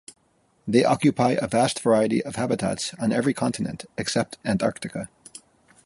They occupy a vast variety of habitats on every continent except Antarctica.